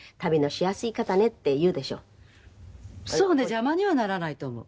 邪魔にはならないと思う。